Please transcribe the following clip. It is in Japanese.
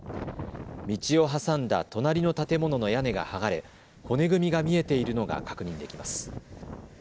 道を挟んだ隣の建物の屋根が剥がれ骨組みが見えているのが確認できます。